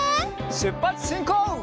しゅっぱつしんこう！